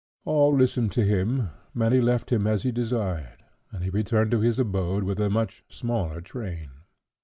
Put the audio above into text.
All listened to him, many left him as he desired, and he returned to his abode with a much smaller train.